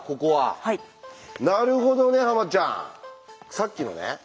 さっきのね